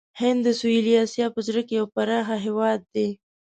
هند د سویلي آسیا په زړه کې یو پراخ هېواد دی.